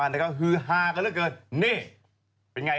ไม่ใช่เขาเพียงอยู่ไง